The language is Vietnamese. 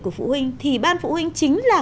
của phụ huynh thì ban phụ huynh chính là